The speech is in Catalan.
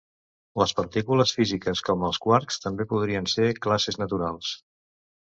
Les partícules físiques, com els quarks, també podrien ser classes naturals.